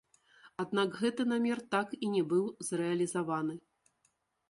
Аднак гэты намер так і не быў зрэалізаваны.